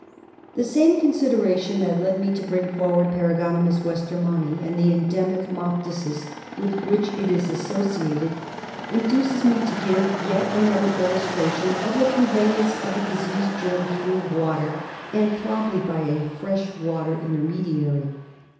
The same consideration that led me to bring forward Paragonimus westermanni and the endemic haemoptysis with which it is associated, induces me to give yet another illustration of the conveyance of a disease germ through water, and probably by a fresh water inter mediary.